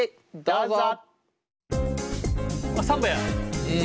どうぞ！